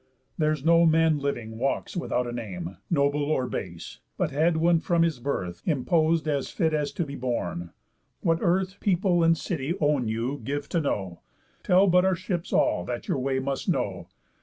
There's no man living walks without a name, Noble nor base, but had one from his birth Impos'd as fit as to be borne. What earth, People, and city, own you, give to know. Tell but our ships all, that your way must show.